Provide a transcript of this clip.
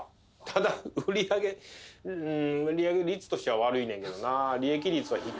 ただ売り上げ売り上げ率としては悪いねんけどなぁ